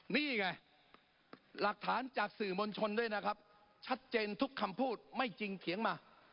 นี่ไงหลักฐานจากสื่อมวลชนด้วยนะครับชัดเจนทุกคำพูดไม่จริงเถียงมา